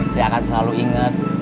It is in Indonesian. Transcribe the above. saya akan selalu inget